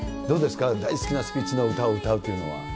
どうですか、大好きなスピッツの歌を歌うというのは。